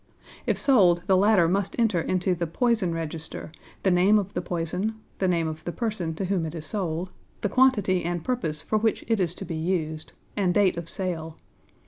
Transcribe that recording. If sold, the latter must enter into the 'Poison Register' the name of the poison, the name of the person to whom it is sold, the quantity and purpose for which it is to be used, and date of sale.